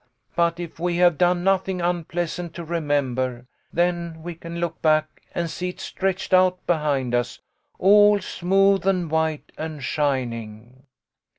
But if we have done nothing unpleasant to remember, then we can look back and see it stretched out behind us, all smooth and white and shining.